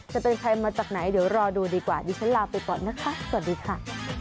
จะเป็นใครมาจากไหนเดี๋ยวรอดูดีกว่าดิฉันลาไปก่อนนะคะสวัสดีค่ะ